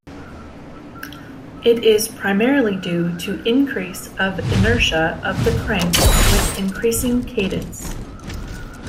It is primarily due to increase of inertia of the crank with increasing cadence.